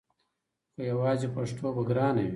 خو یواځې پښتو به ګرانه وي!